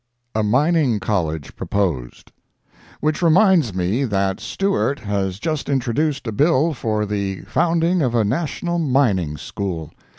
A Mining College Proposed. Which reminds me that Stewart has just introduced a bill for the founding of a national mining school.